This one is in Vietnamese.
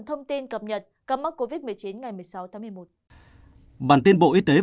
thông tin các ca nhiễm mới